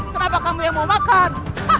kenapa kamu yang mau makan